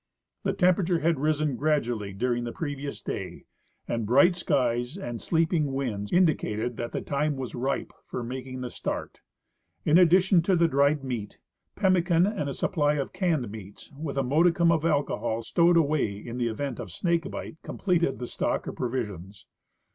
The temperature had risen gradually during the previous day, and bright skies and sleeping winds indicated that the time was ripe for making the start. In addition to the dried meat, pemmican and a supply of canned meats, with a modicum of alcohol stowed away in the event of snake bite, completed the stock of provis ions.